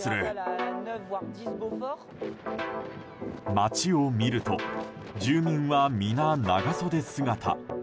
街を見ると住民は皆、長袖姿。